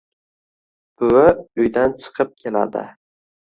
Buvi uydan chikib keladi